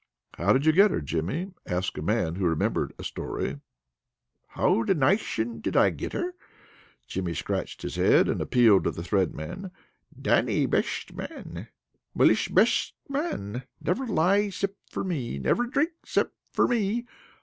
"How did you get her, Jimmy?" asked a man who remembered a story. "How the nation did I get her?" Jimmy scratched his head, and appealed to the Thread Man. "Dannie besht man. Milesh besht man! Never lie 'cept for me. Never drink 'cept for me.